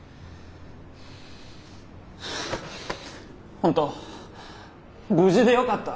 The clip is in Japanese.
本当無事でよかった。